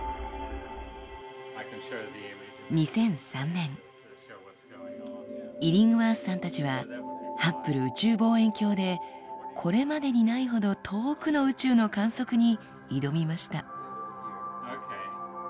２００３年イリングワースさんたちはハッブル宇宙望遠鏡でこれまでにないほど遠くの宇宙の観測に挑みました。